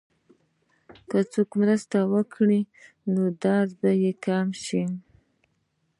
که څوک مرسته وکړي، نو درد به کم شي.